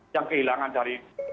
yang kehilangan dari